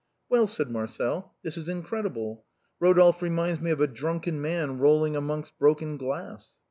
" Well," said Marcel, " this is incredible. Rodolphe re minds me of a drunken man rolling amongst broken glass."